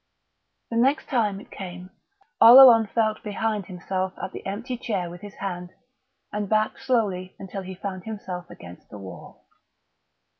The next time it came Oleron felt behind him at the empty air with his hand, and backed slowly until he found himself against the wall.